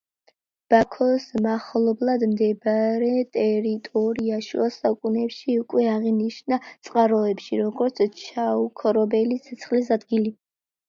ბაქოს მახლობლად მდებარე ტერიტორია შუა საუკუნეებში უკვე აღინიშნა წყაროებში, როგორც ჩაუქრობელი ცეცხლის ადგილი.